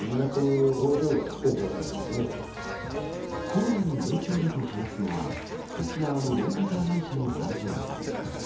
コロナの影響だと話すのは沖縄のレンタカー会社の担当者。